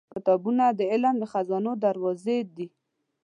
• کتابونه د علم د خزانو دروازې دي.